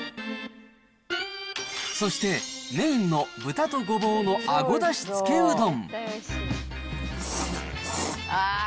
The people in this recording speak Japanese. そして、メインの豚とごぼうのあごだしつけうどん。